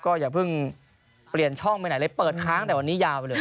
อย่าเพิ่งเปลี่ยนช่องไปไหนเลยเปิดค้างแต่วันนี้ยาวไปเลย